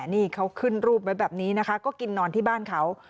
นี่เขาขึ้นรูปไว้แบบนี้นะคะก็กินนอนที่บ้านเขา